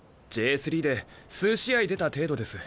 Ｊ３で数試合出た程度です。